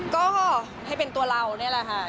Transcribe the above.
ก็ให้เป็นตัวเราแน่ล่ะค่ะ